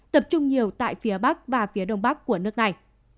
tập trung nhiều tại phía bắc và phía đông bắc của nước này